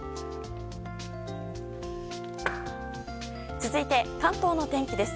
続いて、関東の天気です。